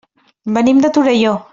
Venim de Torelló.